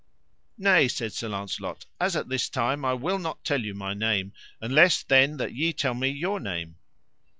Nay, said Sir Launcelot, as at this time I will not tell you my name, unless then that ye tell me your name.